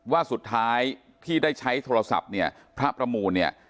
ว่าสุดท้ายที่ได้ใช้โทรศัพท์เนี่ยพระประมูลเนี่ย